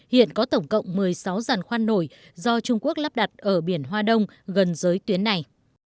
hiện có tổng cộng một mươi sáu giàn khoan nổi do trung quốc lắp đặt ở biển hoa đông gần giới tuyến này